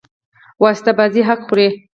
واسطه بازي حق خوري.